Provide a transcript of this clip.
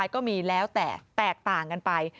ก็มีแล้วแต่แตกต่างกันไป